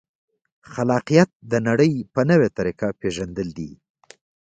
خلاقیت د نړۍ په نوې طریقه پېژندل دي.